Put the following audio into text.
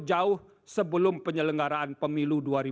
dan mengc ladu batangin di instalasi pemilu